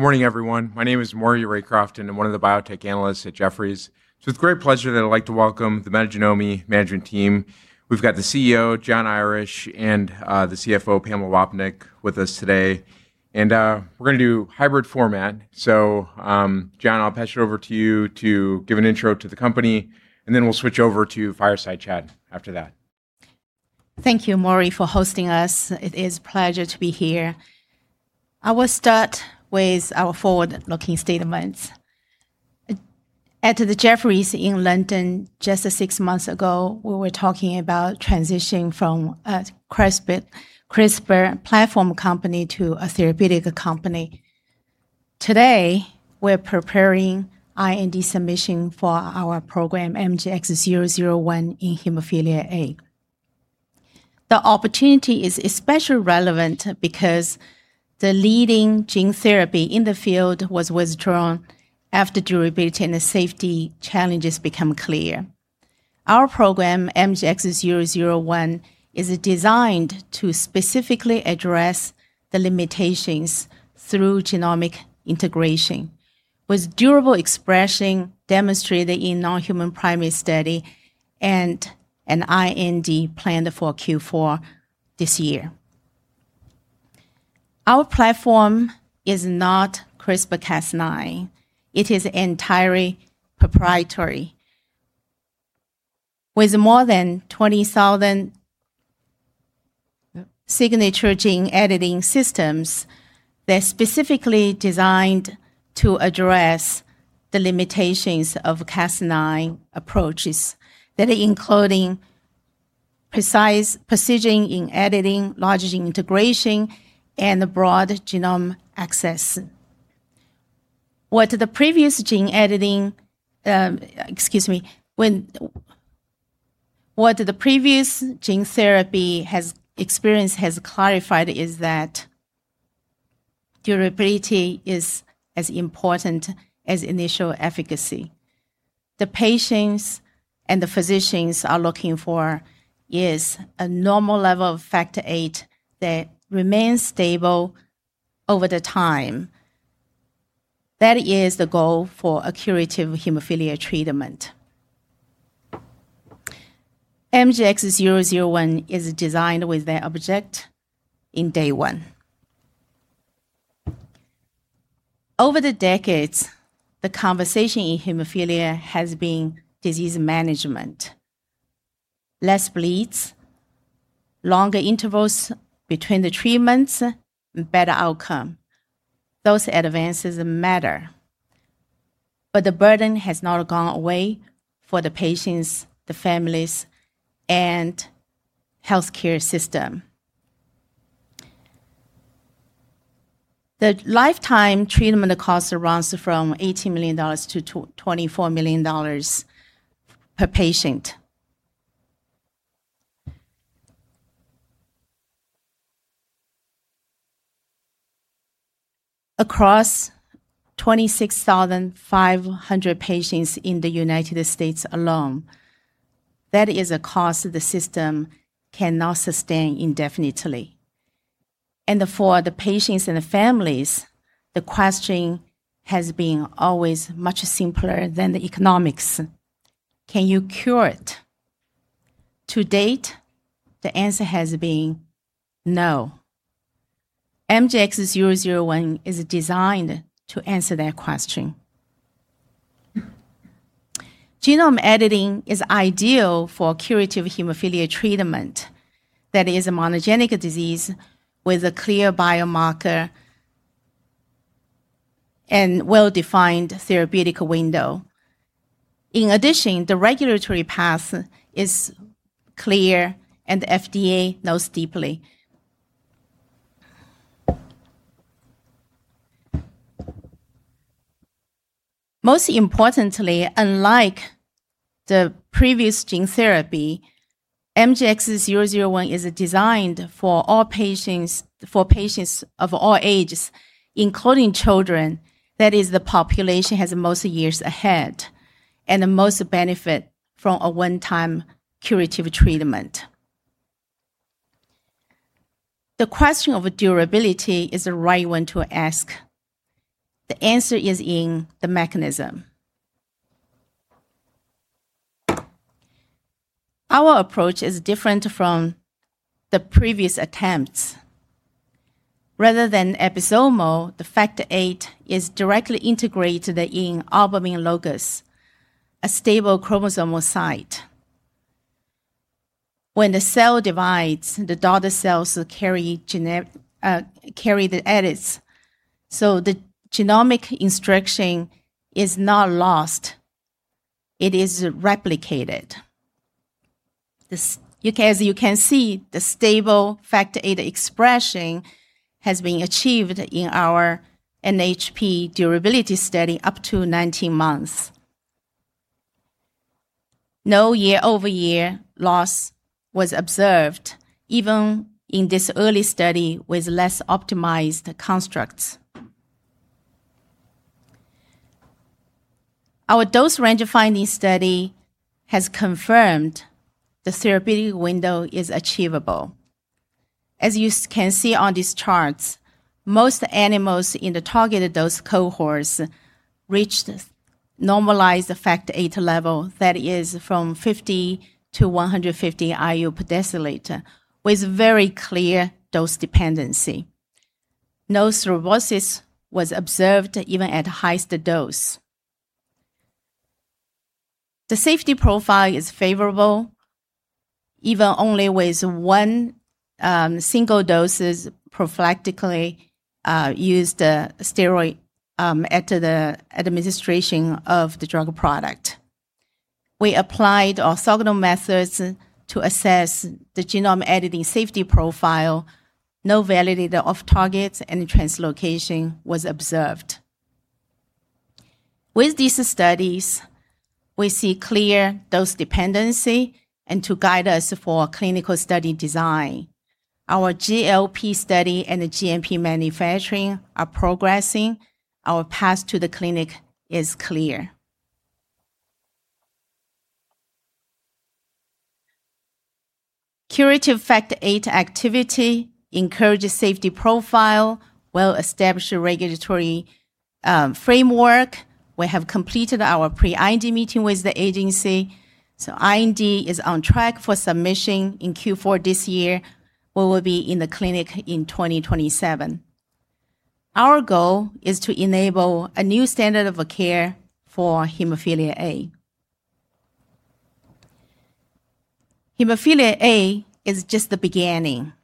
Good morning, everyone. My name is Maury Raycroft, and I'm one of the biotech analysts at Jefferies. It's with great pleasure that I'd like to welcome the Metagenomi management team. We've got the CEO, Jian Irish, and the CFO, Pamela Wapnick, with us today. We're going to do hybrid format. Jian, I'll pass it over to you to give an intro to the company, and then we'll switch over to fireside chat after that. Thank you, Maury, for hosting us. It is pleasure to be here. I will start with our forward-looking statements. At the Jefferies in London just six months ago, we were talking about transitioning from a CRISPR platform company to a therapeutic company. Today, we're preparing IND submission for our program, MGX-001 in hemophilia A. The opportunity is especially relevant because the leading gene therapy in the field was withdrawn after durability and safety challenges become clear. Our program, MGX-001, is designed to specifically address the limitations through genomic integration with durable expression demonstrated in non-human primate study and an IND planned for Q4 this year. Our platform is not CRISPR-Cas9. It is entirely proprietary. With more than 20,000 signature gene editing systems, they're specifically designed to address the limitations of Cas9 approaches. They're including precise precision in editing, large integration, and broad genome access. What the previous gene therapy has experienced has clarified is that durability is as important as initial efficacy. The patients and the physicians are looking for is a normal level of factor VIII that remains stable over the time. That is the goal for a curative hemophilia treatment. MGX-001 is designed with that objective in day one. Over the decades, the conversation in hemophilia has been disease management, less bleeds, longer intervals between the treatments, and better outcome. Those advances matter, the burden has not gone away for the patients, the families, and healthcare system. The lifetime treatment cost runs from $18 million-$24 million per patient. Across 26,500 patients in the U.S. alone, that is a cost the system cannot sustain indefinitely. For the patients and the families, the question has been always much simpler than the economics. Can you cure it? To date, the answer has been no. MGX-001 is designed to answer that question. Genome editing is ideal for curative hemophilia treatment that is a monogenic disease with a clear biomarker and well-defined therapeutic window. The regulatory path is clear and the FDA knows deeply. Most importantly, unlike the previous gene therapy, MGX-001 is designed for patients of all ages, including children, that is the population has the most years ahead and the most benefit from a one-time curative treatment. The question of durability is the right one to ask. The answer is in the mechanism. Our approach is different from the previous attempts. Rather than episomal, the factor VIII is directly integrated in albumin locus, a stable chromosomal site. When the cell divides, the daughter cells carry the edits, so the genomic instruction is not lost. It is replicated. As you can see, the stable factor VIII expression has been achieved in our NHP durability study up to 19 months. No year-over-year loss was observed even in this early study with less optimized constructs. Our dose-range-finding study has confirmed the therapeutic window is achievable. As you can see on these charts, most animals in the targeted dose cohorts reached normalized effect 8 level, that is from 50 to 150 IU/dL with very clear dose dependency. No thrombosis was observed even at highest dose. The safety profile is favorable even only with one single dose prophylactically used steroid at the administration of the drug product. We applied orthogonal methods to assess the genome editing safety profile. No validated off-targets and translocation was observed. With these studies, we see clear dose dependency and to guide us for clinical study design. Our GLP study and the GMP manufacturing are progressing. Our path to the clinic is clear. Curative factor VIII activity, encouraging safety profile, well-established regulatory framework. We have completed our pre-IND meeting with the agency, so IND is on track for submission in Q4 this year. We will be in the clinic in 2027. Our goal is to enable a new standard of care for hemophilia A. Hemophilia A is just the beginning.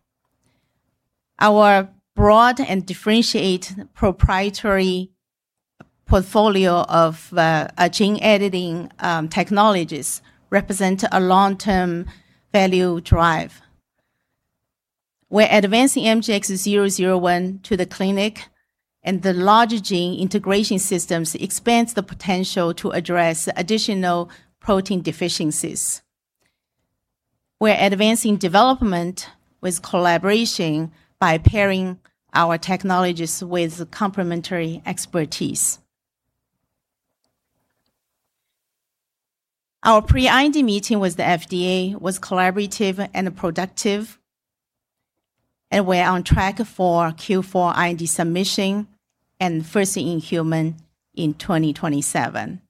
Our broad and differentiate proprietary portfolio of gene-editing technologies represent a long-term value drive. We're advancing MGX-001 to the clinic, and the larger gene integration systems expands the potential to address additional protein deficiencies. We're advancing development with collaboration by pairing our technologies with complementary expertise. Our pre-IND meeting with the FDA was collaborative and productive, and we're on track for Q4 IND submission and first in human in 2027.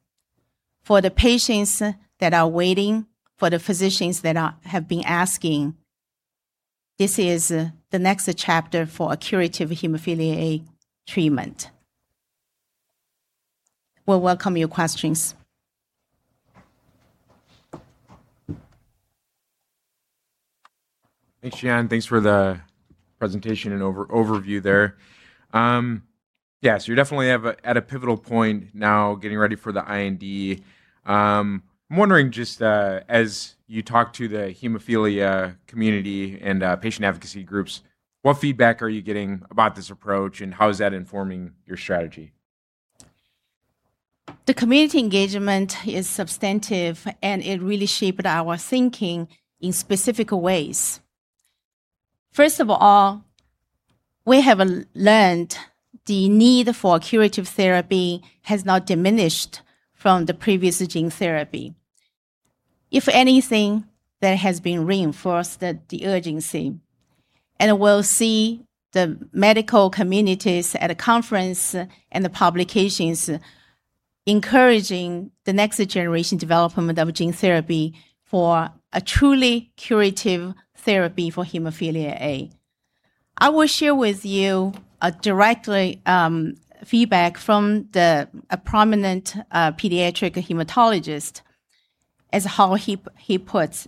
For the patients that are waiting, for the physicians that have been asking, this is the next chapter for a curative hemophilia A treatment. We'll welcome your questions. Thanks, Jian. Thanks for the presentation and overview there. Yeah. You're definitely at a pivotal point now getting ready for the IND. I'm wondering just as you talk to the hemophilia community and patient advocacy groups, what feedback are you getting about this approach, and how is that informing your strategy? The community engagement is substantive, and it really shaped our thinking in specific ways. First of all, we have learned the need for curative therapy has not diminished from the previous gene therapy. If anything, that has been reinforced that the urgency. We'll see the medical communities at a conference and the publications encouraging the next generation development of gene therapy for a truly curative therapy for hemophilia A. I will share with you a direct feedback from the prominent pediatric hematologist as how he puts,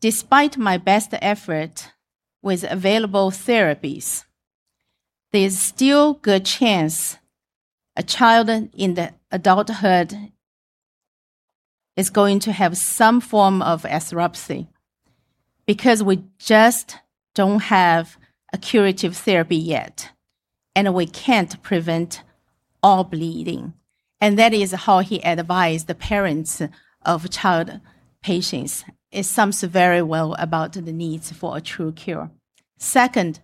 "Despite my best effort with available therapies, there's still good chance a child in the adulthood is going to have some form of arthropathy because we just don't have a curative therapy yet, and we can't prevent all bleeding." That is how he advised the parents of child patients. It sums very well about the need for a true cure. Second,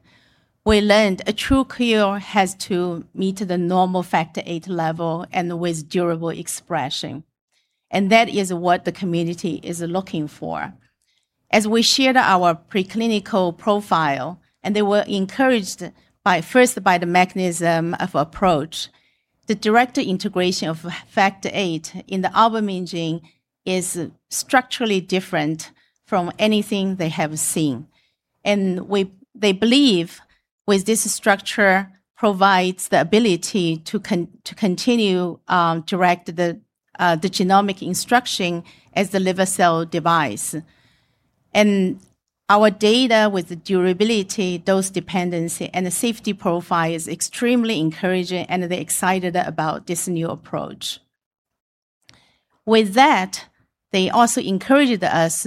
we learned a true cure has to meet the normal factor VIII level and with durable expression, that is what the community is looking for. As we shared our preclinical profile, they were encouraged first by the mechanism of approach, the direct integration of factor VIII in the albumin gene is structurally different from anything they have seen. They believe with this structure provides the ability to continue direct the genomic instruction as the liver cell device. Our data with durability, dose-dependency, and the safety profile is extremely encouraging, and they're excited about this new approach. They also encouraged us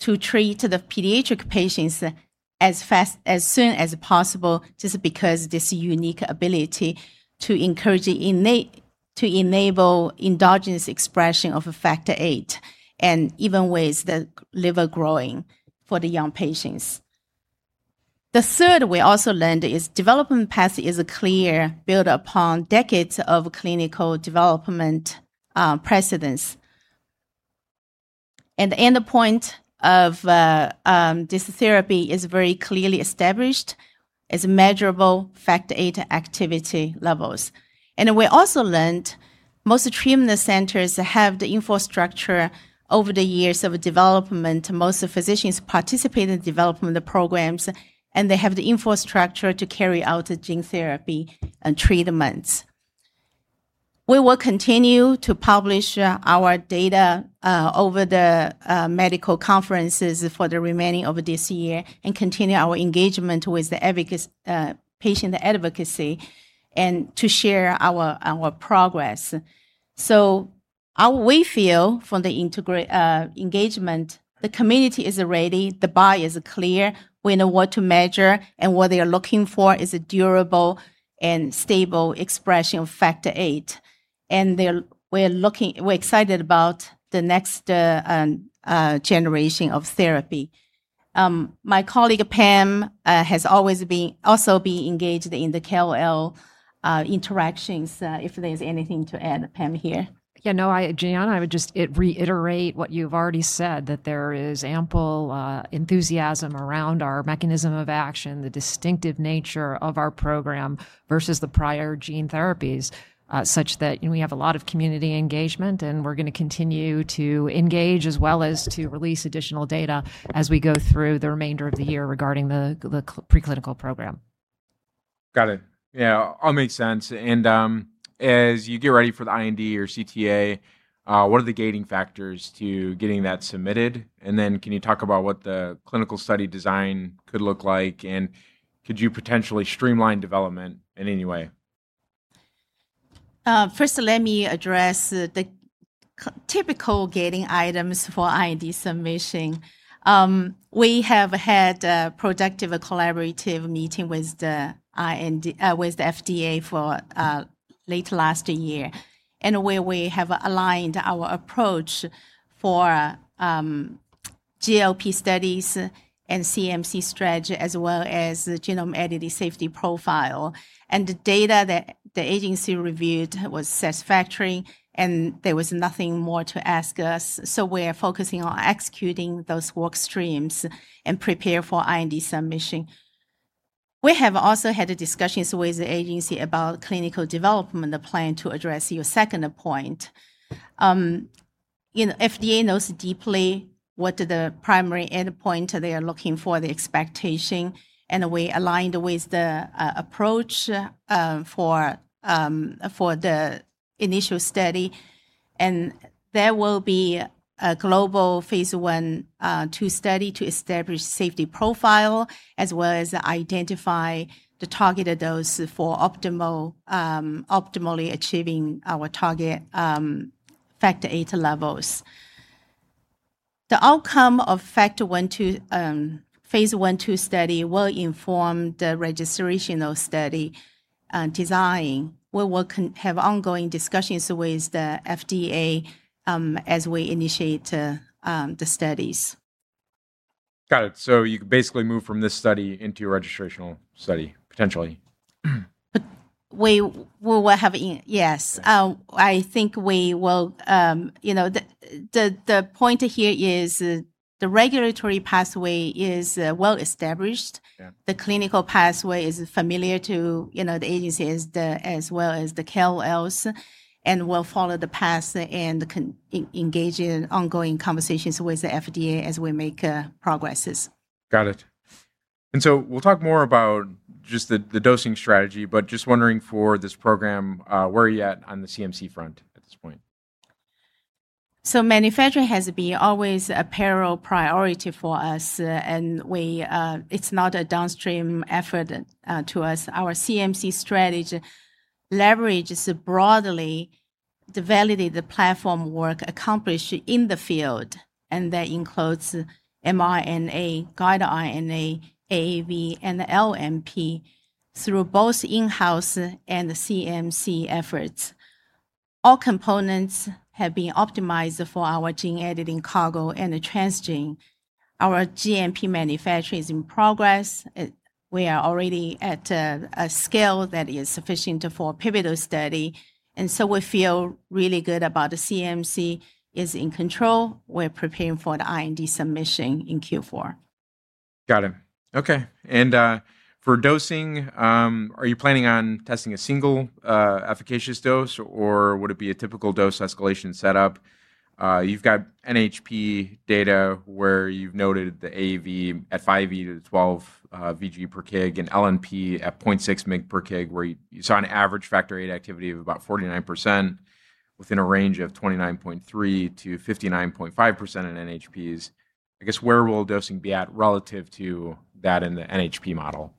to treat the pediatric patients as soon as possible just because this unique ability to enable endogenous expression of factor VIII and even with the liver growing for the young patients. The third we also learned is development path is clear, built upon decades of clinical development precedence. The endpoint of this therapy is very clearly established as measurable factor VIII activity levels. We also learned most treatment centers have the infrastructure over the years of development. Most physicians participate in development of the programs, and they have the infrastructure to carry out the gene therapy and treatments. We will continue to publish our data over the medical conferences for the remaining of this year and continue our engagement with the patient advocacy and to share our progress. How we feel from the engagement, the community is ready, the buy is clear. We know what to measure and what they are looking for is a durable and stable expression of factor VIII. We're excited about the next generation of therapy. My colleague, Pam, has also been engaged in the KOL interactions. If there's anything to add, Pam, here. Yeah, no, Jian, I would just reiterate what you've already said, that there is ample enthusiasm around our mechanism of action, the distinctive nature of our program versus the prior gene therapies, such that we have a lot of community engagement, and we're going to continue to engage as well as to release additional data as we go through the remainder of the year regarding the preclinical program. Got it. Yeah. All makes sense. As you get ready for the IND or CTA, what are the gating factors to getting that submitted? Can you talk about what the clinical study design could look like, and could you potentially streamline development in any way? First, let me address the typical gating items for IND submission. We have had a productive collaborative meeting with the FDA for late last year in where we have aligned our approach for GLP studies and CMC strategy, as well as the genome editing safety profile. The data that the agency reviewed was satisfactory, and there was nothing more to ask us. We're focusing on executing those work streams and prepare for IND submission. We have also had discussions with the agency about clinical development plan to address your second point. FDA knows deeply what the primary endpoint they are looking for, the expectation, and we aligned with the approach for the initial study. There will be a global phase I/II study to establish safety profile as well as identify the targeted dose for optimally achieving our target factor VIII levels. The outcome of phase I/II study will inform the registrational study design. We will have ongoing discussions with the FDA as we initiate the studies. Got it. You could basically move from this study into your registrational study, potentially. Yes. The point here is the regulatory pathway is well established. Yeah. The clinical pathway is familiar to the agency as well as the KOLs, and we'll follow the path and engage in ongoing conversations with the FDA as we make progress. Got it. We'll talk more about just the dosing strategy, but just wondering for this program, where are you at on the CMC front at this point? Manufacturing has been always a parallel priority for us. It's not a downstream effort to us. Our CMC strategy leverages broadly the validated platform work accomplished in the field, and that includes mRNA, guide RNA, AAV, and LNP through both in-house and the CMC efforts. All components have been optimized for our gene-editing cargo and the transgene. Our GMP manufacturing is in progress. We are already at a scale that is sufficient for pivotal study, we feel really good about the CMC is in control. We're preparing for the IND submission in Q4. Got it. Okay. For dosing, are you planning on testing a single efficacious dose, or would it be a typical dose escalation setup? You've got NHP data where you've noted the AAV at 5e12 vg/kg and LNP at 0.6 mg/kg, where you saw an average factor VIII activity of about 49% within a range of 29.3%-59.5% in NHPs. I guess where will dosing be at relative to that in the NHP model?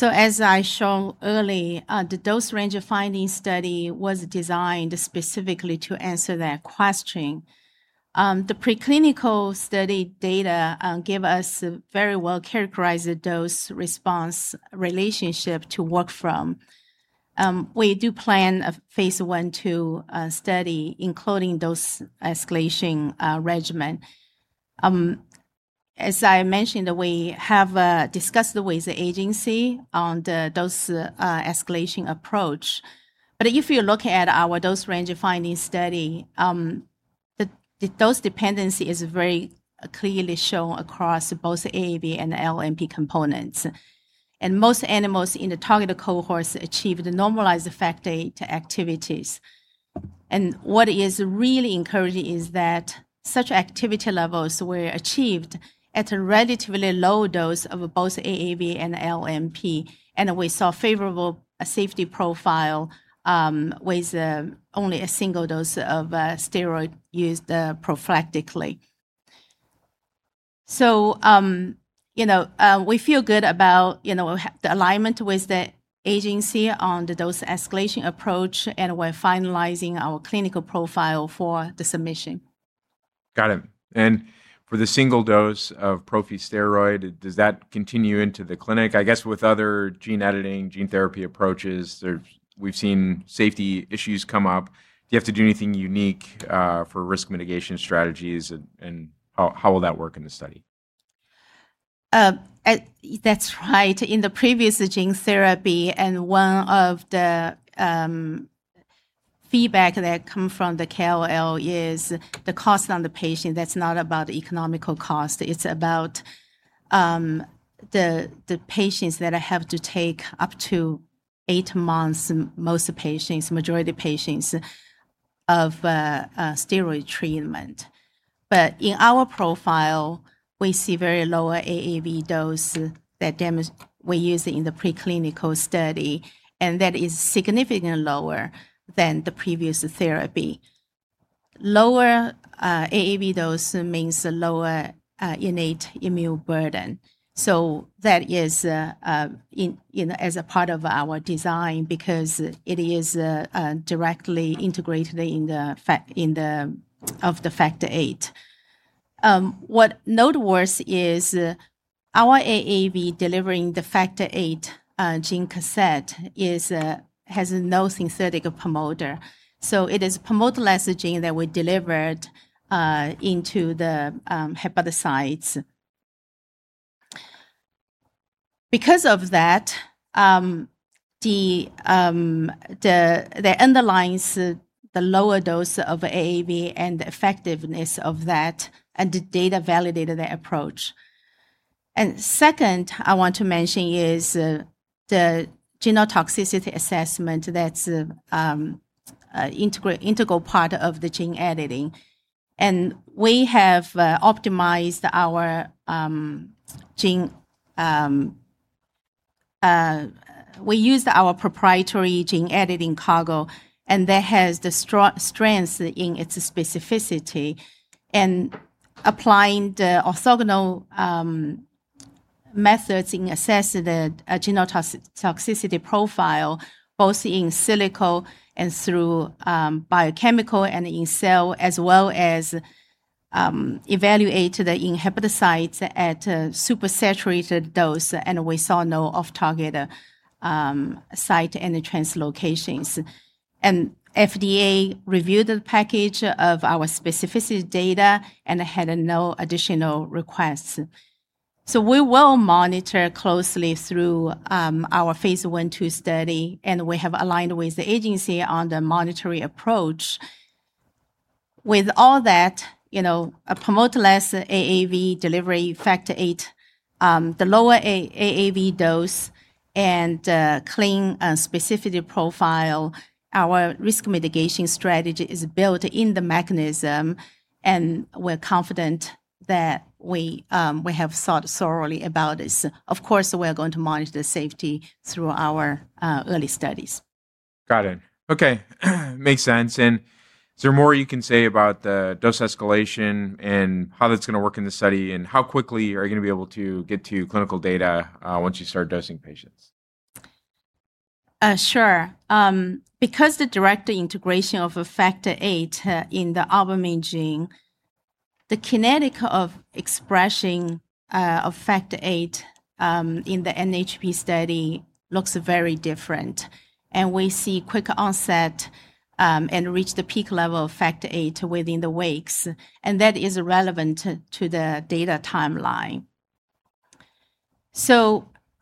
As I shown early, the dose-range-finding study was designed specifically to answer that question. The preclinical study data give us a very well-characterized dose-response relationship to work from. We do plan a phase I/II study including dose escalation regimen. As I mentioned, we have discussed with the agency on the dose escalation approach, if you look at our dose-range-finding study, the dose dependency is very clearly shown across both AAV and LNP components. Most animals in the targeted cohorts achieved normalized factor VIII activities. What is really encouraging is that such activity levels were achieved at a relatively low dose of both AAV and LNP, and we saw favorable safety profile with only a single dose of steroid used prophylactically. We feel good about the alignment with the agency on the dose escalation approach, and we're finalizing our clinical profile for the submission. Got it. For the single dose of prophy steroid, does that continue into the clinic? I guess with other gene editing, gene therapy approaches, we've seen safety issues come up. Do you have to do anything unique for risk mitigation strategies, and how will that work in the study? That's right. In the previous gene therapy, one of the feedback that come from the KOL is the cost on the patient. That's not about economic cost, it's about the patients that have to take up to eight months, most patients, majority of patients, of steroid treatment. In our profile, we see very lower AAV dose that we use in the preclinical study, that is significantly lower than the previous therapy. Lower AAV dose means lower innate immune burden. That is as a part of our design because it is directly integrated of the factor VIII. What noteworthy is our AAV delivering the factor VIII gene cassette has no synthetic promoter. It is promoterless gene that we delivered into the hepatocytes. Because of that underlines the lower dose of AAV and the effectiveness of that, the data validated the approach. Second, I want to mention is the genotoxicity assessment that's integral part of the gene editing. We used our proprietary gene editing cargo, and that has the strength in its specificity and applying the orthogonal methods in assessing the genotoxicity profile, both in silico and through biochemical and in cell, as well as evaluate the hepatocytes at a supersaturated dose. We saw no off-target site and translocations. FDA reviewed the package of our specificity data and had no additional requests. We will monitor closely through our phase I/II study, and we have aligned with the agency on the monitoring approach. With all that, a promoterless AAV delivery factor VIII, the lower AAV dose, and clean specificity profile, our risk mitigation strategy is built in the mechanism, and we're confident that we have thought thoroughly about this. Of course, we are going to monitor the safety through our early studies. Got it. Okay. Makes sense. Is there more you can say about the dose escalation and how that's going to work in the study, and how quickly are you going to be able to get to clinical data once you start dosing patients? Sure. Because the direct integration of factor VIII in the albumin gene, the kinetic of expressing of factor VIII in the NHP study looks very different, we see quick onset, reach the peak level of factor VIII within the weeks, that is relevant to the data timeline.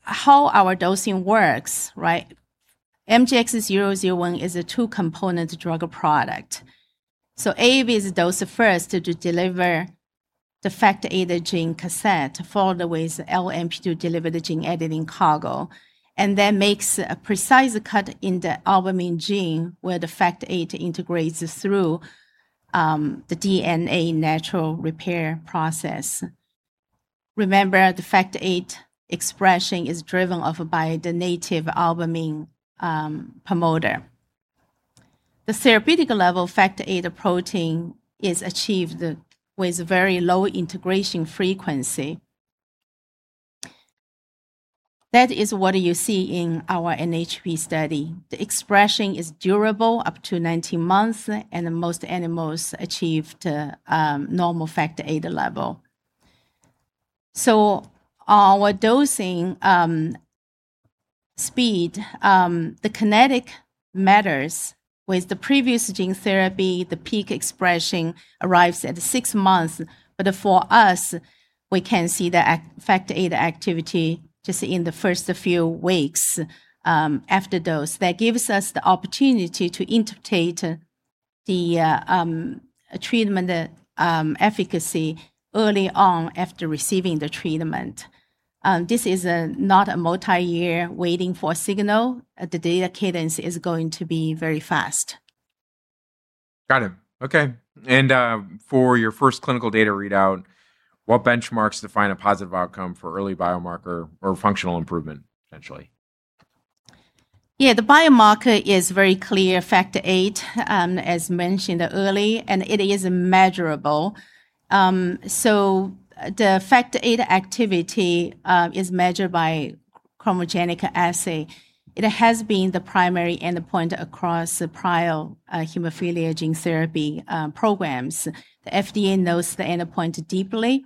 How our dosing works, right? MGX-001 is a two-component drug product. AAV is dosed first to deliver the factor VIII gene cassette followed with LNP to deliver the gene editing cargo, then makes a precise cut in the albumin gene where the factor VIII integrates through the DNA natural repair process. Remember, the factor VIII expression is driven by the native albumin promoter. The therapeutic level factor VIII protein is achieved with very low integration frequency. That is what you see in our NHP study. The expression is durable up to 19 months, and most animals achieved normal factor VIII level. Our dosing speed, the kinetic matters. With the previous gene therapy, the peak expression arrives at six months. For us, we can see the factor VIII activity just in the first few weeks after dose. That gives us the opportunity to interpret the treatment efficacy early on after receiving the treatment. This is not a multiyear waiting for signal. The data cadence is going to be very fast. Got it. Okay. For your first clinical data readout, what benchmarks define a positive outcome for early biomarker or functional improvement, essentially? Yeah, the biomarker is very clear, factor VIII, as mentioned early, and it is measurable. The factor VIII activity is measured by chromogenic assay. It has been the primary endpoint across the prior hemophilia gene therapy programs. The FDA knows the endpoint deeply.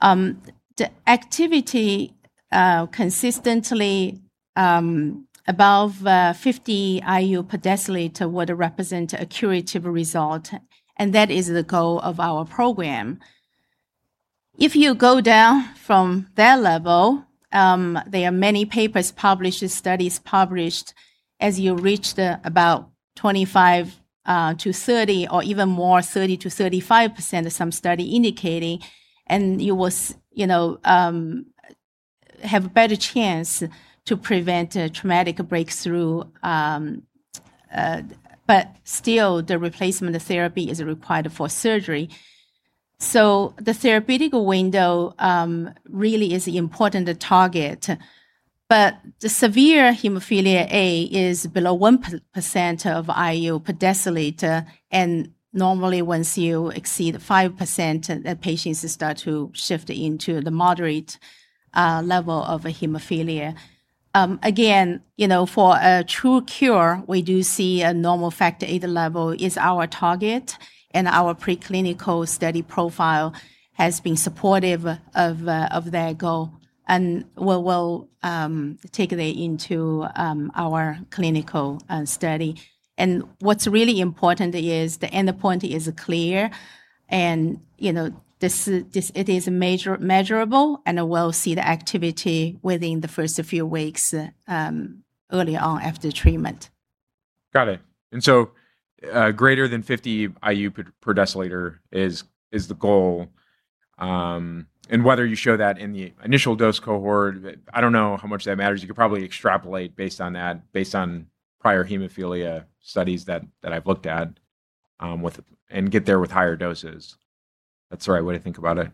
The activity consistently above 50 IU per deciliter would represent a curative result, and that is the goal of our program. If you go down from that level, there are many papers published, studies published, as you reach about 25%-30% or even more, 30%-35% of some study indicating, and you will have a better chance to prevent a traumatic breakthrough. Still, the replacement therapy is required for surgery. The therapeutic window really is important to target. The severe hemophilia A is below 1% of IU per deciliter, and normally once you exceed 5%, the patients start to shift into the moderate level of hemophilia. Again, for a true cure, we do see a normal factor VIII level is our target, and our preclinical study profile has been supportive of that goal, and we'll take that into our clinical study. What's really important is the endpoint is clear and it is measurable, and we'll see the activity within the first few weeks early on after treatment. Got it. Greater than 50 IU per deciliter is the goal. Whether you show that in the initial dose cohort, I don't know how much that matters. You could probably extrapolate based on that, based on prior hemophilia studies that I've looked at, and get there with higher doses. That's the right way to think about it.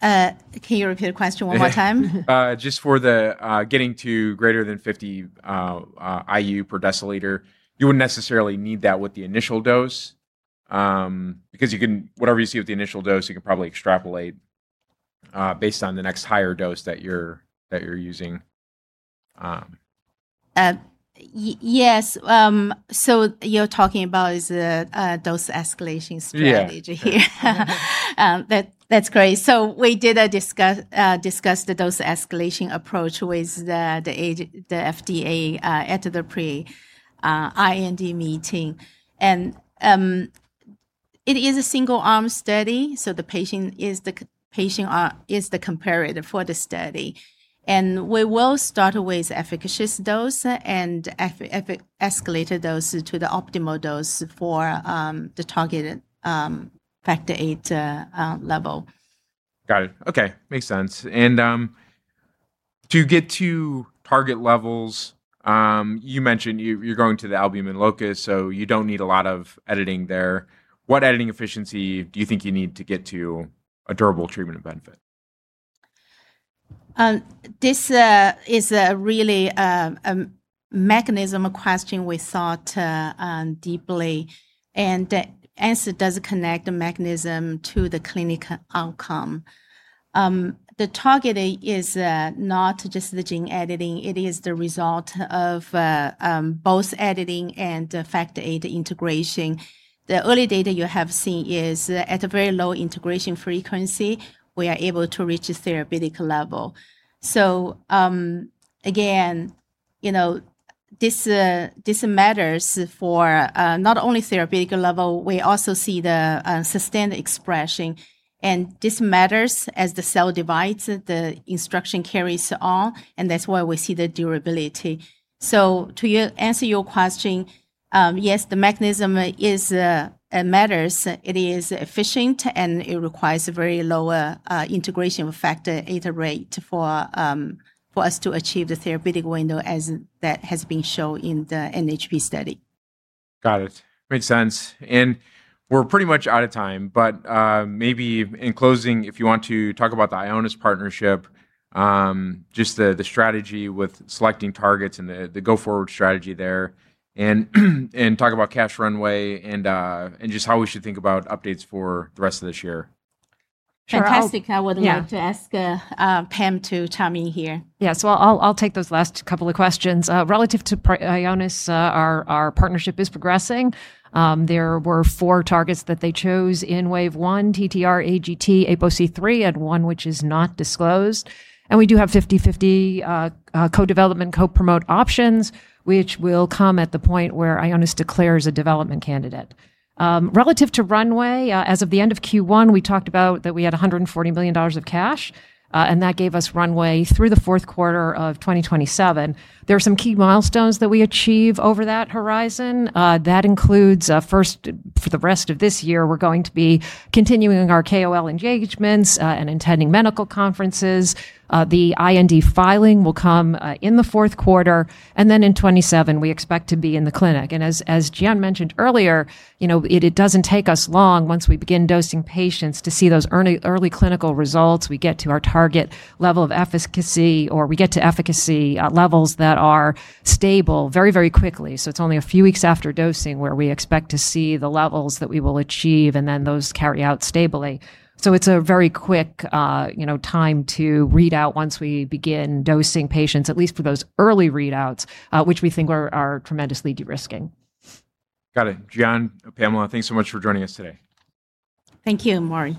Can you repeat the question one more time? Just for the getting to greater than 50 IU per deciliter, you wouldn't necessarily need that with the initial dose, because whatever you see with the initial dose, you can probably extrapolate based on the next higher dose that you're using. Yes. You're talking about is a dose escalation strategy here. Yeah. That's great. We did discuss the dose escalation approach with the FDA at the pre-IND meeting. It is a single arm study, so the patient arm is the comparator for the study. We will start with efficacious dose and escalated dose to the optimal dose for the targeted factor VIII level. Got it. Okay. Makes sense. To get to target levels, you mentioned you're going to the albumin locus, so you don't need a lot of editing there. What editing efficiency do you think you need to get to a durable treatment benefit? This is really a mechanism question we thought deeply, and answer does connect the mechanism to the clinical outcome. The target is not just the gene editing, it is the result of both editing and factor VIII integration. The early data you have seen is at a very low integration frequency. We are able to reach a therapeutic level. Again, this matters for not only therapeutic level. We also see the sustained expression. This matters as the cell divides, the instruction carries on, and that's why we see the durability. To answer your question, yes, the mechanism matters. It is efficient, and it requires a very low integration factor VIII rate for us to achieve the therapeutic window as that has been shown in the NHP study. Got it. Makes sense. We're pretty much out of time, but maybe in closing, if you want to talk about the Ionis partnership, just the strategy with selecting targets and the go forward strategy there, and talk about cash runway and just how we should think about updates for the rest of this year. Fantastic. Sure. I would like to ask Pam to chime in here. Yeah. I'll take those last couple of questions. Relative to Ionis, our partnership is progressing. There were four targets that they chose in wave one, TTR, AGT, APOC3, and one which is not disclosed. We do have 50/50 co-development, co-promote options, which will come at the point where Ionis declares a development candidate. Relative to runway, as of the end of Q1, we talked about that we had $140 million of cash, and that gave us runway through the fourth quarter of 2027. There are some key milestones that we achieve over that horizon. That includes first, for the rest of this year, we're going to be continuing our KOL engagements, and attending medical conferences. The IND filing will come in the fourth quarter. Then in 2027, we expect to be in the clinic. As Jian mentioned earlier, it doesn't take us long once we begin dosing patients to see those early clinical results. We get to our target level of efficacy, or we get to efficacy levels that are stable very, very quickly. It's only a few weeks after dosing where we expect to see the levels that we will achieve, and then those carry out stably. It's a very quick time to read out once we begin dosing patients, at least for those early readouts, which we think are tremendously de-risking. Got it. Jian, Pamela, thanks so much for joining us today. Thank you, Maury.